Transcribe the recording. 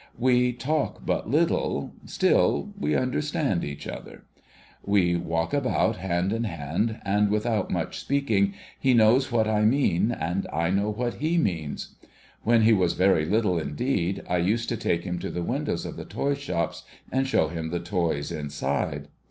We talk but little; still, we understand each other. We GENERAL IMPRESSIONS ABOUT HIM 27 walk about, hand in hand ; and without much speaking he knows what I mean, and I know what he means. When he was very Httle indeed, I used to take him to the windows of the toy shops, and show him the toys inside.